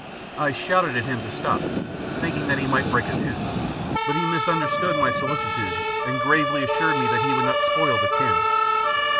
I shouted to him to stop, thinking that he might break a tooth; but he misunderstood my solicitude and gravely assured me that he would not spoil the tin!